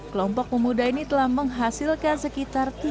kelompok pemuda ini telah menghasilkan sekitar tiga bulan